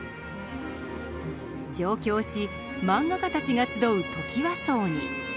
上京しマンガ家たちが集うトキワ荘に。